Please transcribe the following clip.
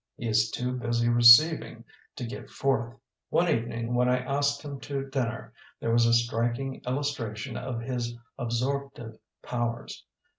He is too busy receiving to give forth. One evening when I asked him to dinner there was a striking illustra tion of his absorptive powers.